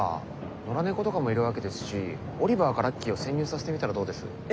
野良猫とかもいるわけですしオリバーかラッキーを潜入させてみたらどうです？え？